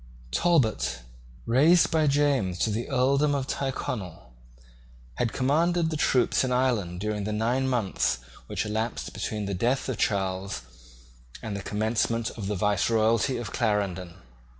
Talbot, raised by James to the earldom of Tyrconnel, had commanded the troops in Ireland during the nine months which elapsed between the death of Charles and the commencement of the viceroyalty of Clarendon.